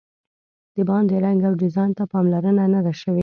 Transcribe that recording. د باندې رنګ او ډیزاین ته پاملرنه نه ده شوې.